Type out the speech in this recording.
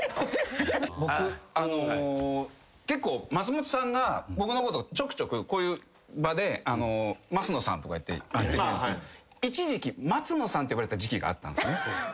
僕結構松本さんが僕のことちょくちょくこういう場で升野さんって言ってくれるんですけど。って呼ばれてた時期があったんですね。